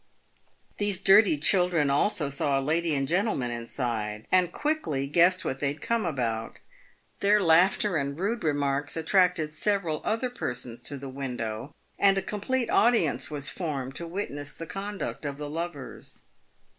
These dirty chil dren also saw a lady and gentleman inside, and quickly guessed what they had come about. Their laughter and rude remarks attracted several other persons to the window, and a complete audience was formed to witness the conduct of the lovers.